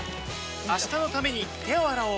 明日のために手を洗おう